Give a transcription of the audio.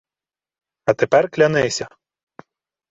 — А тепер клянися.